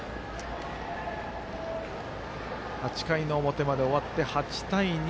８回の表まで終わって８対２。